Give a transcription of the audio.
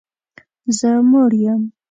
زه موړ یم